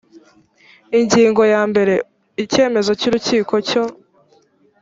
ingingo ya mbere icyemezo cy urukiko cyo